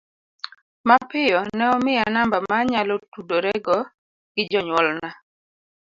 Mapiyo, ne omiya namba ma anyalo tudorego gi jonyuolna.